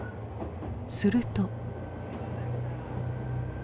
すると。